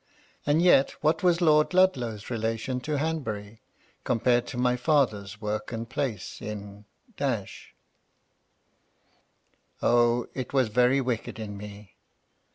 And yet what was Lord Ludlow's relation to Hanbury, compared to my father's work and place in ? O I it was very wicked in me